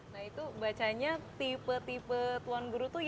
nah itu bacanya tipe tipe tuan guru itu